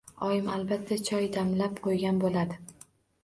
Oyim albatta choy damlab qo‘ygan bo‘ladi.